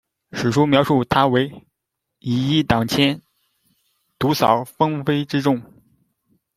史书描述他为「以一当千，独扫蜂飞之众」。